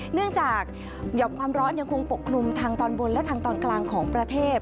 เนื่องจากหย่อมความร้อนยังคงปกคลุมทางตอนบนและทางตอนกลางของประเทศ